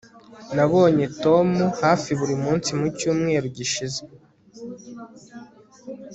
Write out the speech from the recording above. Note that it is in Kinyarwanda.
Nabonye Tom hafi buri munsi mucyumweru gishize